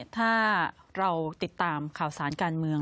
ถ้าเราติดตามข่าวสารการเมือง